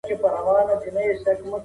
زه به اوږده موده د لغتونو زده کړه کړې وم.